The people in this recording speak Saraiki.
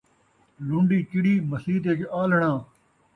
لن٘ڈی چڑی ، مسیت وِچ آلݨاں